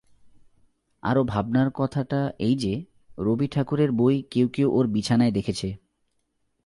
আরো ভাবনার কথাটা এই যে, রবি ঠাকুরের বই কেউ কেউ ওর বিছানায় দেখেছে।